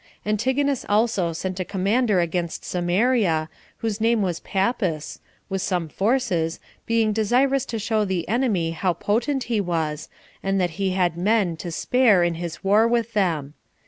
Antigonus also sent a commander against Samaria, whose name was Pappus, with some forces, being desirous to show the enemy how potent he was, and that he had men to spare in his war with them.